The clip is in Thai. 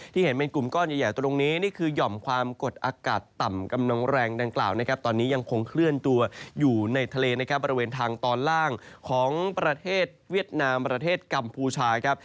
เห็นเป็นกลุ่มก้อนใหญ่ตรงนี้นี่คือหย่อมความกดอากาศต่ำกำลังแรงดังกล่าวนะครับตอนนี้ยังคงเคลื่อนตัวอยู่ในทะเลนะครับบริเวณทางตอนล่างของประเทศเวียดนามประเทศกัมพูชาครับ